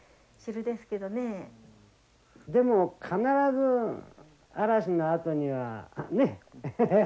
でも必ず嵐のあとにはねっハハハ